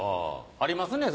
ありますね